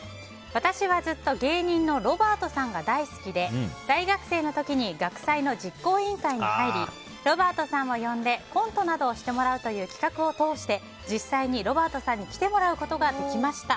私はずっと芸人のロバートさんが大好きで大学生の時に学祭の実行委員会に入りロバートさんを呼んでコントなどをしてもらうという企画を通して実際にロバートさんに来てもらうことができました。